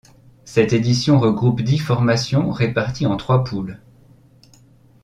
Cette édition regroupe dix formations réparties en trois poules.